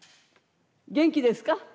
元気ですか？